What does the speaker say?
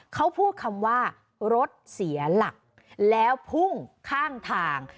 เขาพูดคำว่ารถเสียหลักแล้วพุ่งข้างทาง